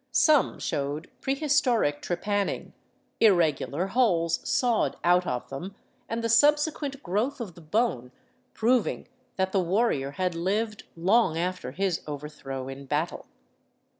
Some showed prehistoric trepanning, irregular holes sawed out of them, and the subsequent growth of the bone proving that the warrior had lived long after his overthrow in battle.